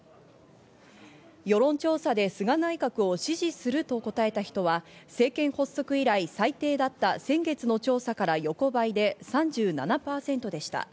世論調査で菅内閣を支持すると答えた人は、政権発足以来、最低だった先月の調査から横ばいで３７％でした。